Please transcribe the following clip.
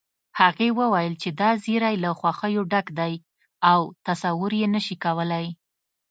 هغې وويل چې دا زيری له خوښيو ډک دی او تصور يې نشې کولی